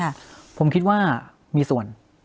ฉันค่ะผมคิดว่าอ่ะมีส่วน